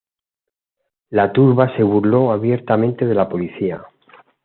La turba se burló abiertamente de la policía.